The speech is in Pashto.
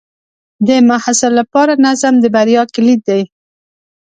د محصل لپاره نظم د بریا کلید دی.